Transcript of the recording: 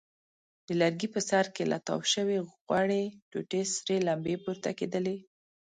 د لرګي په سر کې له تاو شوې غوړې ټوټې سرې لمبې پورته کېدلې.